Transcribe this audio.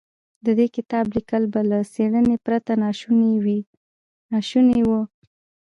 د دې کتاب ليکل به له څېړنې پرته ناشوني و.